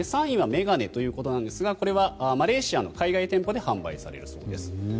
３位は眼鏡ということですがこれはマレーシアの海外店舗で販売されるそうです。